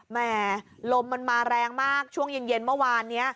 แหลมมันมาแรงมากช่วงเย็นเมื่อวานนี้